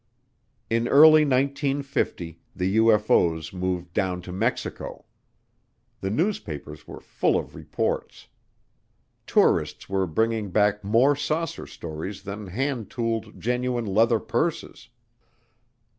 In early 1950 the UFO's moved down to Mexico. The newspapers were full of reports. Tourists were bringing back more saucer stories than hand tooled, genuine leather purses.